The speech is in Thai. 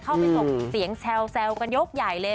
เข้าไปส่งเสียงแซวกันยกใหญ่เลย